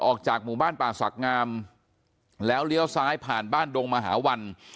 ออกจากหมู่บ้านป่าศักดิ์งามแล้วเลี้ยวซ้ายผ่านบ้านดงมหาวัน